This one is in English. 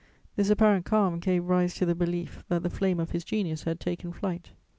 This apparent calm gave rise to the belief that the flame of his genius had taken flight.